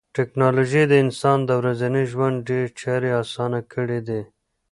ټکنالوژي د انسان د ورځني ژوند ډېری چارې اسانه کړې دي.